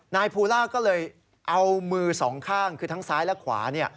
ภูล่าก็เลยเอามือสองข้างคือทั้งซ้ายและขวา